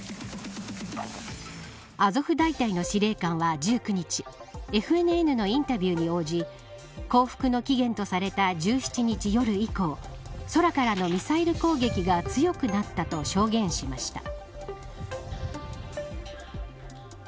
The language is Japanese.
アゾフ大隊の司令官は１９日ＦＮＮのインタビューに応じ降伏の期限とされた１７日夜以降空からのミサイル攻撃が強くなったと証言しました。